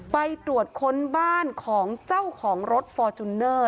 ไปตรวจค้นบ้านของเจ้าของรถฟอร์จูเนอร์